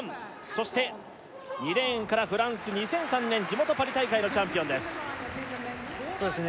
そして２レーンからフランス２００３年地元パリ大会のチャンピオンですそうですね